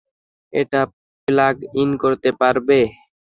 এটা plug in করতে পারবে?